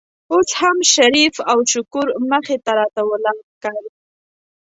اوس هم شریف او شکور مخې ته راته ولاړ ښکاري.